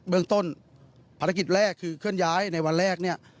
รุ่นมาพันธกิจแรกคือเคลื่อนย้ายในวันแรกเนี่ย